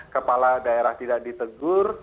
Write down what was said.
kepala daerah tidak ditegur